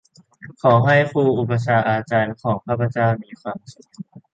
ขอให้ครูอุปัชฌาย์อาจารย์ของข้าพเจ้ามีความสุข